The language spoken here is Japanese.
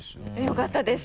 よかったです！